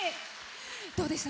どうでした？